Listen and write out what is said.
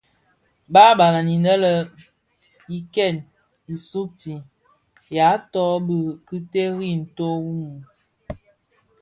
Bààban inë le i ken, i sugtii, yaa tôg bì ki teri ntó wu mum.